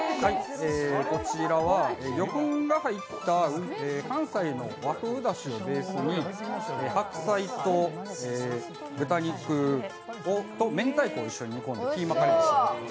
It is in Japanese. こちらは魚粉が入った関西の和風だしをベースに白菜と豚肉と明太子を入れたキーマカレーです。